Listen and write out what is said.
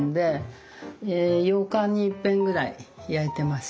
８日にいっぺんぐらい焼いてます。